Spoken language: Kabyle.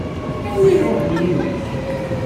Anwa i iṛuḥen yid-k?